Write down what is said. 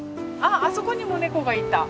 あそこにも猫がいた！